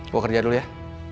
gue kerja dulu ya